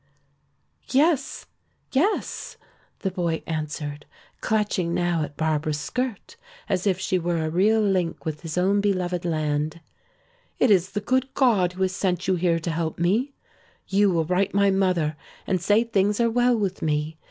"Yes, yes," the boy answered, clutching now at Barbara's skirt as if she were a real link with his own beloved land. "It is the good God who has sent you here to help me. You will write my mother and say things are well with me.